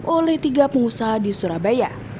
oleh tiga pengusaha di surabaya